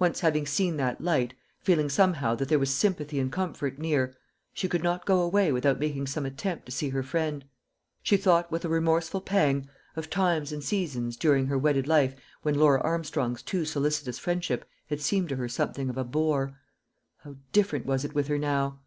Once having seen that light, feeling somehow that there was sympathy and comfort near, she could not go away without making some attempt to see her friend. She thought with a remorseful pang of times and seasons during her wedded life when Laura Armstrong's too solicitous friendship had seemed to her something of a bore. How different was it with her now!